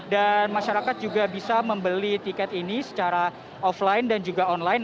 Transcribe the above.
dan masyarakat juga bisa membeli tiket ini secara offline dan juga online